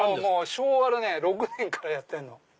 昭和のね６年からやってんの。